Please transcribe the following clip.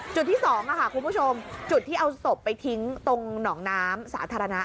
จุดที่๒คุณผู้ชมจุดที่เอาศพไปทิ้งตรงหนองน้ำสาธารณะ